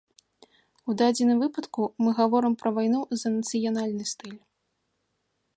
У дадзеным выпадку мы гаворым пра вайну за нацыянальны стыль.